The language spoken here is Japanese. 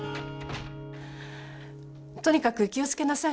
とにかく気をつけなさいよ。